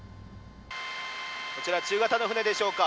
こちら、中型の船でしょうか。